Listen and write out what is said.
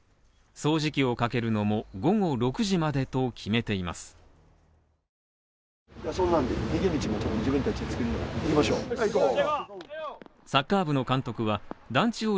掃除機をかけるのも午後６時までと決めています。